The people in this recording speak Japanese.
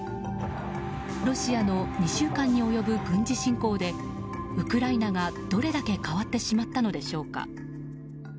ロシアの２週間に及ぶ軍事侵攻でウクライナが、どれだけ変わってしまったのでしょうか。